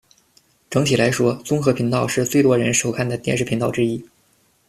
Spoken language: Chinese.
整体来说，综合频道是最多人收看的电视频道之一。